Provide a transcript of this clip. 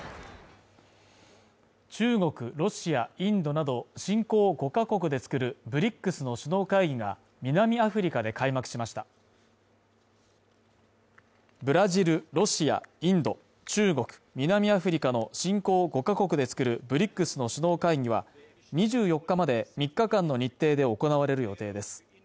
中国、ロシアインドなど新興５か国で作るＢＲＩＣＳの首脳会議が南アフリカで開幕しましたブラジル、ロシア、インド、中国、南アフリカの新興５か国で作るＢＲＩＣＳの首脳会議は２４日まで３日間の日程で行われる予定です